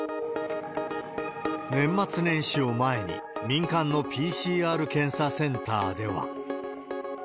年末年始を前に、民間のＰＣＲ検査センターでは。